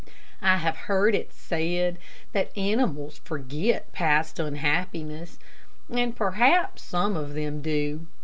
I have heard it said that animals forget past unhappiness, and perhaps some of them do.